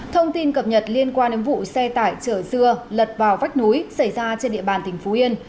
thông tin cập nhật liên quan đến vụ xe tải chở dưa lật vào vách núi xảy ra trên địa bàn tỉnh phú yên